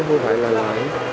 không phải là lớn